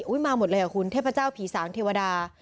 อุ๊ยมาหมดเลยคุณเทพเจ้าผีสางเทวดา